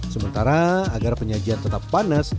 sementara agar penyajian tetap panas